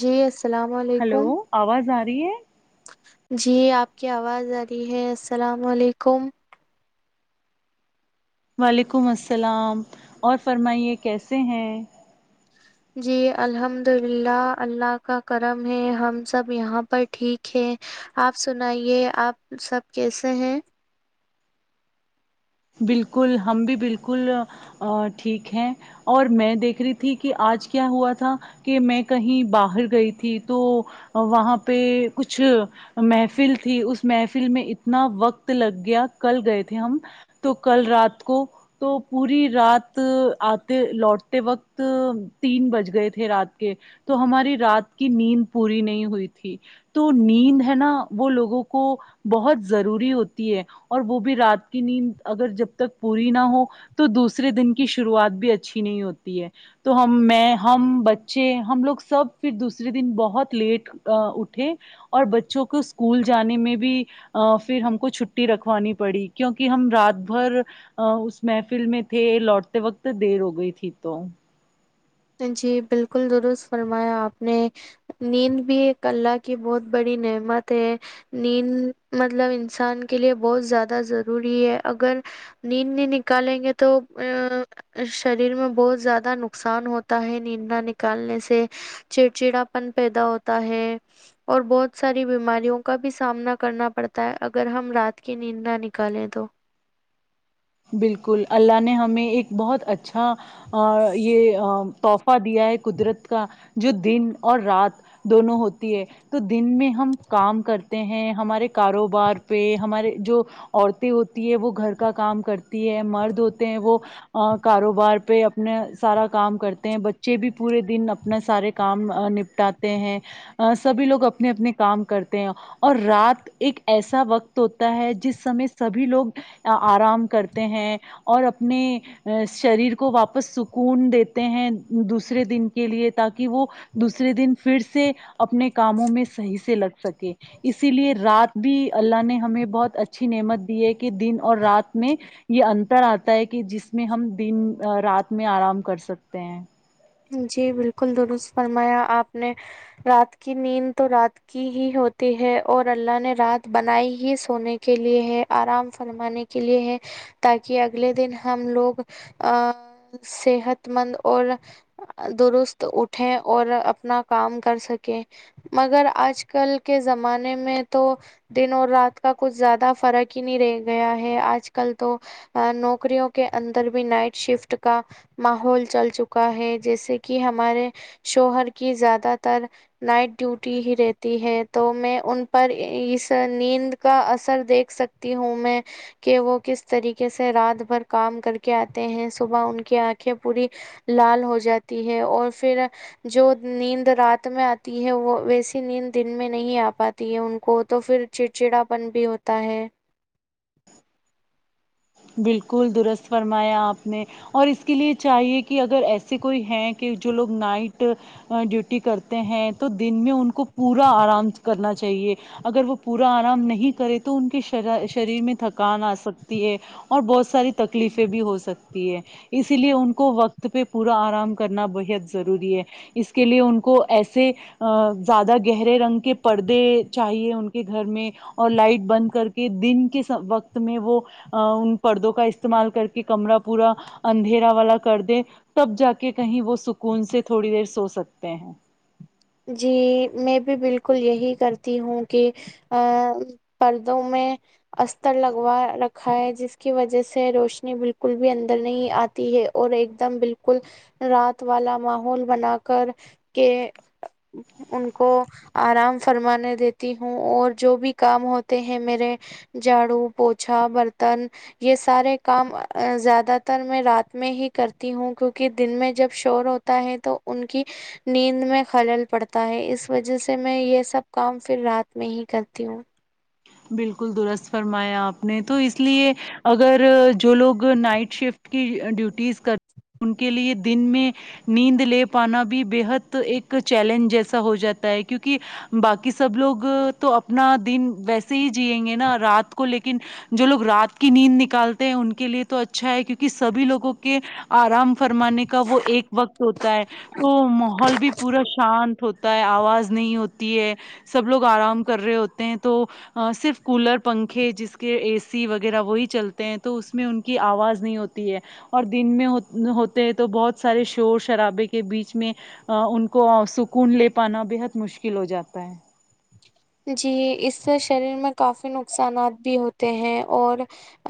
جی السلام ہلو علیکم آواز آ رہی ہے جی آپ کی آواز آ رہی ہے السلام علیکم وعلیکم السلام اور فرمائیے کیسے ہیں جی الحمد للہ اللہ کا کرم ہے ہم سب یہاں پر ٹھیک ہیں آپ سنائیے آپ سب کیسے ہیں بالکل ہم بھی بالکل ا ٹھیک ہیں اور میں دیکھ رہی تھی کہ آج کیا ہوا تھا کہ میں کہیں باہر گئی تھی تو وہاں پہ کچھ محفل تھی اس محفل میں اتنا وقت لگ گیا کل گئے تھے ہم تو کل رات کو تو پوری رات آتے لوٹتے وقت تین بج گئے تھے رات کے تو ہماری رات کی نیند پوری نہیں ہوئی تھی تو نیند ہے نا وہ لوگوں کو بہت ضروری ہوتی ہے اور وہ بھی رات کی نیند اگر جب تک پوری نہ ہو تو دوسرے دن کی شروعات بھی اچھی نہیں ہوتی ہے تو ہم میں ہم بچے ہم لوگ سب پھر دوسرے دن بہت لیٹ اٹھے اور بچوں کو اسکول جانے میں بھی پھر ہم کو چھٹی رکھوانی پڑی کیونکہ ہم رات بھر اس محفل میں تھے لوٹتے وقت دیر ہو گئی تھی تو جی بالکل درست فرمایا آپ نے نیند بھی ایک اللہ کی بہت بڑی نعمت ہے نیند مطلب انسان کے لیے بہت زیادہ ضروری ہے اگر نیند نہیں نکالیں گے تو ا شریر میں بہت زیادہ نقصان ہوتا ہے نیند نہ نکالنے سے چڑچڑا پن پیدا ہوتا ہے اور بہت ساری بیماریوں کا بھی سامنا کرنا پڑتا ہے اگر ہم رات کی نیند نہ نکالیں تو بالکل اللہ نے ہمیں ایک بہت اچھا اا یہ توح فہ دیا ہے قدرت کا جو دن اور رات دونوں ہوتی ہے تو دن میں ہم کام کرتے ہیں ہمارے کاروبار پہ ہمارے جو عورتیں ہوتی ہے وہ گھر کا کام کرتی ہے مرد ہوتے ہیں وہ کاروبار پہ اپنا سارا کام کرتے ہیں بچے بھی پورے دن اپنا سارے کام نپٹات ے ہیں سبھی لوگ اپنے اپنے کام کرتے ہیں اور رات ایک ایسا وقت ہوتا ہے جس سمے سبھی لوگ آرام کرتے ہیں اور اپنے شریر کو واپس سکون دیتے ہیں دوسرے دن کے لیے تاکہ وہ دوسرے دن پھر سے اپنے کاموں میں صحیح سے لگ سکے اسی لیے رات بھی اللہ نے ہمیں بہت اچھی نعمت دی ہے کہ دن اور رات میں یہ انتر آتا ہے کہ جس میں ہم دن رات میں آرام کر سکتے ہیں جی بالکل درست فرمایا آپ نے رات کی نیند تو رات کی ہی ہوتی ہے اور اللہ نے رات بنائی ہی سونے کے لیے ہے آرام فرمانے کے لیے ہیں تاکہ اگلے دن ہم لوگ آ صحت مند اور درست اٹھیں اور اپنا کام کر سکیں مگر آج کل کے زمانے میں تو دن اور رات کا کچھ زیادہ فرق ہی نہیں رہ گیا ہے آج کل تو نوکریوں کے اندر بھی نائٹ شفٹ کا ماحول چل چکا ہے جیسے کہ ہمارے شوہر کی زیادہ تر نائٹ ڈیوٹی ہی رہتی ہے تو میں ان پر اس نیند کا اثر دیکھ سک تی ہوں میں کہ وہ کس طریقے سے رات بھر کام کرکے آتے ہیں صبح ان کی آنکھیں پوری لال ہوجاتی ہے اور پھر جو نیند رات میں آتی ہے وہ ویسی نیند دن میں نہیں آ پاتی ہے ان کو تو پھر چڑچڑاپن بھی ہوتا ہے بالکل درست فرمایا آپ نے اور اس کے لیے چاہیے کہ اگر ایسے کوئی ہیں کہ جو لوگ نائٹ ڈیوٹی کرتے ہیں تو دن میں ان کو پورا آرام کرنا چاہیے اگر وہ پورا آرام نہیں کرے تو ان کے شر شریر میں تھکان آ سکتی ہے اور بہت ساری تکلیفیں بھی ہو سکتی ہے اسی لیے ان کو وقت پہ پورا آرام کرنا بےحد ضروری ہے اس کے لیے ان کو ایسے آ زیادہ گہرے رنگ کے پردے چاہیے ان کے گھر میں اور لائٹ بند کر کے دن کے وقت میں وہ ان پردوں کا استعمال کر کے کمرہ پورا اندھیرا والا کر دے تب جا کے کہیں وہ سکون سے تھوڑی دیر سو سکتے ہیں جی میں بھی بالکل یہی کرتی ہوں کہ آ پردوں میں استر لگوا رکھا ہے جس کی وجہ سے روشنی بالکل بھی اندر نہیں آتی ہے اور ایک دم بالکل رات والا ماحول بنا کر کے ان کو آرام فرمانے دیتی ہوں اور جو بھی کام ہوتے ہیں میرے جھاڑو پوچھا برتن یہ سارے کام زیادہ تر میں رات میں ہی کرتی ہوں کیونکہ دن میں جب شور ہو تا ہے تو ان کی نیند میں خلل پڑتا ہے اس وجہ سے میں یہ سب کام پھر رات میں ہی کرتی ہوں بالکل درست فرمایا آپ نے تو اس لیے اگر جو لوگ نائٹ شفٹ کی ڈیوٹیز کرتے ان کے لیے دن میں نیند لے پانا بھی بے حد ایک چیلنج جیسا ہو جاتا ہے کیونکہ باقی سب لوگ تو اپنا دن ویسے ہی جیئیں گے ناں رات کو لیکن جو لوگ رات کی نیند نکالتے ہیں ان کے لیے تو اچھا ہے کیونکہ سبھی لوگوں کے آرام فرمانے کا وہ ایک وقت ہوتا ہے تو ماحول بھی پورا شانت ہوتا ہے آواز نہیں ہوتی ہے سب لوگ آرام کر رہے ہوتے ہیں تو صرف کولر پنکھے جس کے اے سی وغیرہ وہی چلتے ہیں تو اس میں ان کی آواز نہیں ہوتی ہے اور دن میں ہوتے ہیں تو بہت سارے شور شرابے کے بیچ میں ان کو سکون لے پانا بےحد مشکل ہو جاتا ہے جی اس سے شریر میں کافی نقصانات بھی ہوتے ہیں اور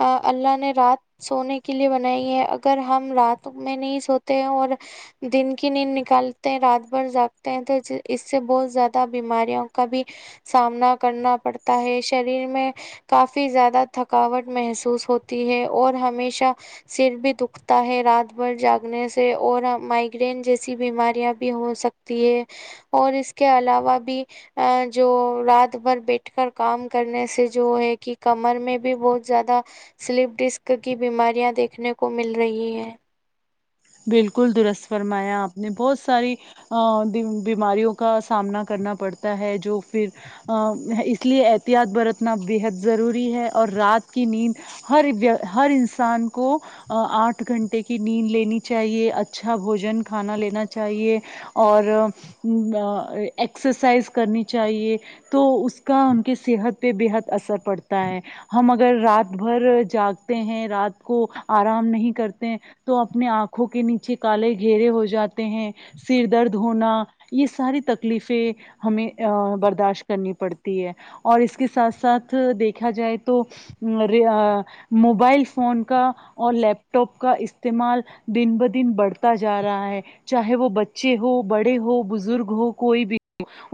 آ اللہ نے رات سونے کے لیے بنائیے اگر ہم رات میں نہیں سوتے ہیں اور دن کی نیند نکالتے ہیں رات بھر جاگتے ہیں تو اس سے بہت زیادہ بیماریوں کا بھی سامنا کرنا پڑتا ہے شریر میں کافی زیادہ تھکاوٹ محسوس ہوتی ہے اور ہمیشہ سر بھی دکھتا ہے رات بھر جاگنے سے اور مائگرین جیسی بیماریاں بھی ہو سکتی ہے اور اس کے علاوہ بھی ا جو رات بھر بیٹھ کر کام کرنے سے جو ہے کہ کمر میں بھی بہت زیادہ سلیپ ڈسک کی بیماریاں دیکھنے کو مل رہی ہیں بالکل درست فرمایا آپ نے بہت ساری ا بیماریوں کا سامنا کرنا پڑتا ہے جو پھر ا اس لیے احتیاط برتنا بےحد ضروری ہے اور رات کی نیند ہرویک ہر انسان کو آٹھ گھنٹے کی نیند لینی چاہیے اچھا بھوجن کھانا لینا چاہیے اور ایکسرسائز کرنی چاہیے تو اس کا ان کی صحت پہ بےحد اثر پڑتا ہے ہم اگر رات بھر جاگتے ہیں رات کو آرام نہیں کرتے تو اپنے آنکھوں کے نیچے کالے گھیرے ہو جاتے ہیں سر درد ہونا یہ ساری تکلیفیں ہمیں برداشت کرنی پڑتی ہے اور اس کے ساتھ ساتھ دیکھا جائے تو را ا موبائل فون کا اور لیپ ٹاپ کا استعمال دن بہ دن بڑھتا جا رہا ہے چاہے وہ بچے ہو بڑے ہو بزرگ ہو کوئی بھی ہو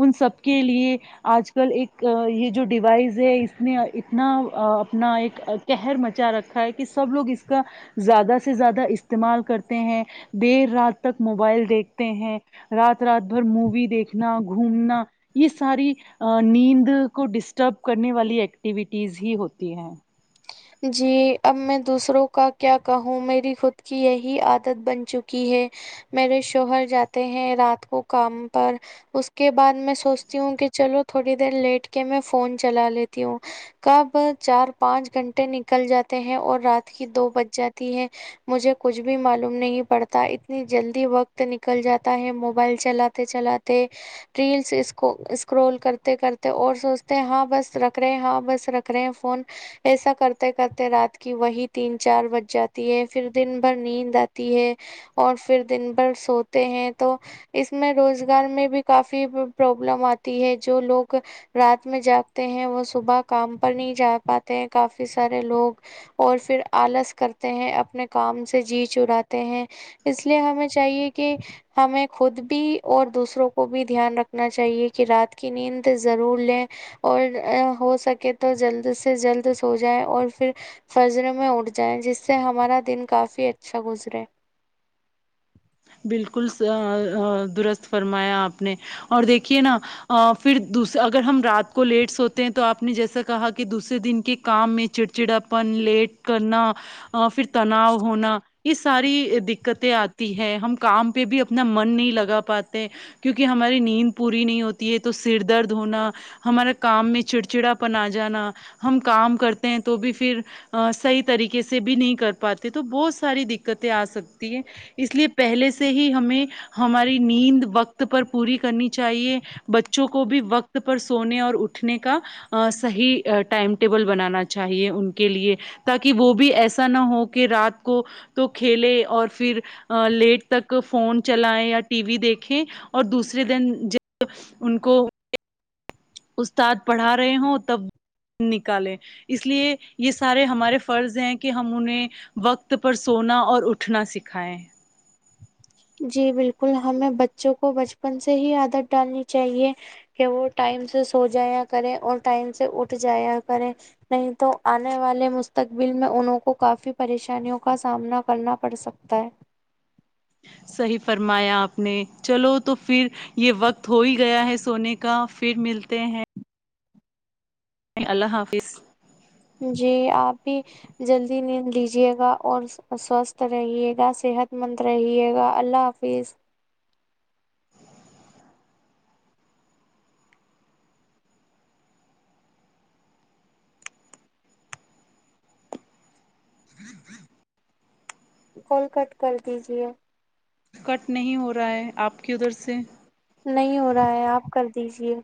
ان سب کے لیے آج کل ایک یہ جو ڈیوائز ہے اس میں اتنا اپنا ایک ا کہر مچا رکھا ہے کہ سب لوگ اس کا زیادہ سے زیادہ اس استعمال کرتے ہیں دیر رات تک موبائل دیکھتے ہیں رات رات بھر مووی دیکھنا گھومنا یہ ساری نیند کو ڈسٹرب کرنے والی ایکٹیویٹیز ہی ہوتی ہیں جی اب میں دوسروں کا کیا کہوں میری خود کی یہی عادت بن چکی ہے میرے شوہر جاتے ہیں رات کو کام پر اس کے بعد میں سوچتی ہوں کہ چلو تھوڑی دیر لیٹ کے میں فون چلا لیتی ہوں کب چار پانچ گھنٹے نکل جاتے ہیں اور رات کی دو بج جاتی ہے مجھے کچھ بھی معلوم نہیں پڑتا اتنی جلدی وقت نکل جاتا ہے موبائل چلا چلاتے چلاتے ریلس ا سکرو اسکرول کرتے کرتے اور سوچتے ہیں ہاں بس رکھ رہے ہیں ہاں بس رکھ رہے ہیں فون ایسا کرتے کرتے رات کی وہی تین چار بج جاتی ہے پھر دن بھر نیند آتی ہے اور پھر دن بھر سوتے ہیں تو اس میں روزگار میں بھی کافی پرابلم آتی ہے جو لوگ رات میں جاگتے ہیں وہ صبح کام پر نہیں جا پاتے ہیں کافی سارے لوگ اور پھر آلس کرتے ہیں اپنے کام سے جی چراتے ہیں اس لیے ہمیں چاہیے کہ ہمیں خود بھی اور دوسروں کو بھی دھیان رکھنا چاہیے کہ رات کی نیند ضرور لیں اور ہو سکے تو جلد سے جلد ہو جائیں اور پھر فضر میں اٹھ جائیں جس سے ہمارا دن کافی اچھا گزرے بالکل درست فرمایا آپ نے اور دیکھیے نا ا پھر دوس اگر ہم رات کو لیٹ سوتے ہیں تو آپ نے جیسا کہا کہ دوسرے دن کے کام میں چڑ چڑا پن لیٹ کرنا ا پھر تناؤ ہونا یہ ساری دقتیں آ ہم کام پہ بھی اپنا من نہیں لگا پاتے کیونکہ ہماری نیند پوری نہیں ہوتی ہے تو سر درد ہونا ہمارے کام میں چڑچڑا پن آ جانا ہم کام کرتے ہیں تو بھی پھر ا صحیح طریقہ سے بھی نہیں کر پاتے تو بہت ساری دقتیں آ سکتی ہیں اس لیے پہلے سے ہی ہمیں ہماری نیند وقت پر پوری کرنی چاہیے بچوں کو بھی وقت پر سونے اور اٹھنے کا صحیح ٹائم ٹیبل بنانا چاہیے ان کے لیے تاکہ وہ بھی ایسا نہ ہو کہ رات کو تو کھیلے اور پھر لیٹ تک فون چلائیں یا ٹی وی دیکھیں اور دوسرے دن جب ان کو استاد پڑھا رہے ہوں تب نکالے اس لیے یہ سارے ہمارے فرض ہیں کہ ہم انہیں وقت پر سونا اور اٹھنا سکھائیں جی بالکل ہمیں بچوں کو بچپن سے ہی عادت ڈالنی چاہیے کہ وہ ٹائم سے سو جایا کریں اور ٹائم سے اٹھ جایا کریں نہیں تو آنے والے مستقبل میں انوں کو کافی پریشانیوں کا سامنا کرنا پڑ سکتا ہے صحیح فرمایا آپ نے چلو تو پھر یہ وقت ہو ہی گیا ہے سونے کا پھر ملتے ہیں اللہ حافظ جی آپ بھی جلدی نیند لیجیے گا اور ساست رہیے گا صحت متر رہیے گا اللہ حافظ کول کٹ کر دیجے کٹ نہیں ہو رہا ہے آپ کی ادھر سے نہیں ہو رہا ہے آپ کر دیجیے